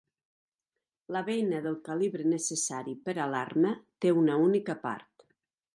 La beina del calibre necessari per a l'arma té una única part.